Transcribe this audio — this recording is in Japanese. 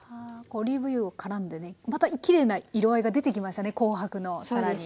オリーブ油をからんでねまたきれいな色合いが出てきましたね紅白の更に。